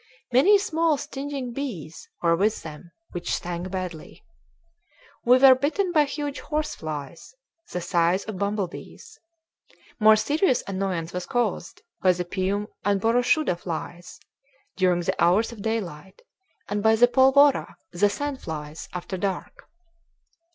Many small stinging bees were with them, which stung badly. We were bitten by huge horse flies, the size of bumblebees. More serious annoyance was caused by the pium and boroshuda flies during the hours of daylight, and by the polvora, the sand flies, after dark.